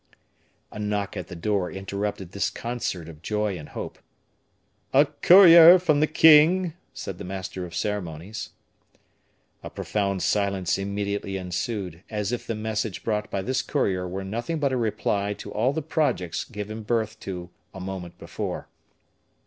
A knock at the door interrupted this concert of joy and hope. "A courier from the king," said the master of the ceremonies. A profound silence immediately ensued, as if the message brought by this courier was nothing but a reply to all the projects given birth to a moment before.